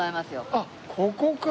あっここか。